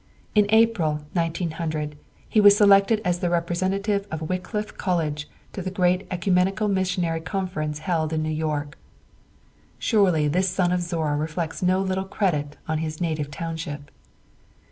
In April, 1900, he was selected as the representative of Wycliffe College to the great Ecumenical Missionary Conference held in New York. Surely this son of Zorra reflects no little credit on his native township.